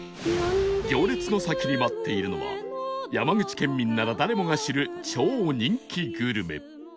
行列の先に待っているのは山口県民なら誰もが知る超人気グルメ